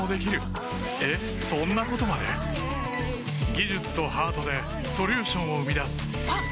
技術とハートでソリューションを生み出すあっ！